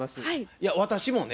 いや私もね